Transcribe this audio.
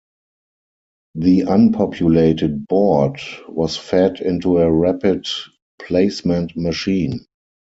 The unpopulated board was fed into a rapid placement machine.